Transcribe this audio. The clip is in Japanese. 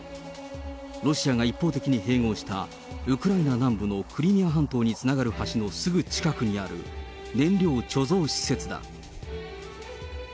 ロシアが一方的に併合した、ウクライナ南部のクリミア半島につながる橋のすぐ近くにある燃料貯蔵施設だ。